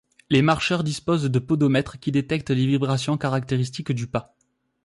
Les marcheurs disposent de podomètres qui détectent les vibrations caractéristiques du pas.